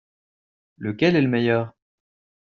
Lequel est le meilleur ?